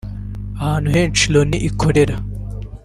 Ahantu henshi Loni ikorera